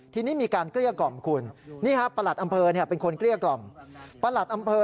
ที่นี้มีการเกลี้ยก่อมคุณนี่หามนี่ก็เป็นคนเกลี้ยก่อม